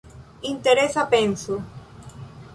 Interesa penso.